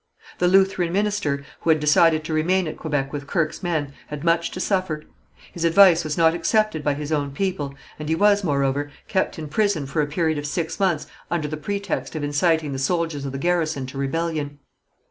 The Lutheran minister, who had decided to remain at Quebec with Kirke's men, had much to suffer. His advice was not accepted by his own people, and he was, moreover, kept in prison for a period of six months under the pretext of inciting the soldiers of the garrison to rebellion.